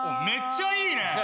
めっちゃいいね！